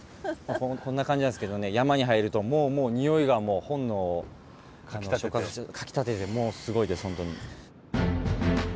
こんな感じなんですけど山に入るとにおいがもう本能をかきたててもうすごいです本当に。